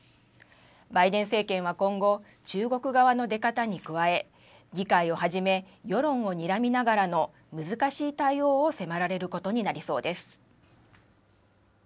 バイデン政権は今後、中国側の出方に加え、議会をはじめ、世論をにらみながらの難しい対応を迫られることになりそうです。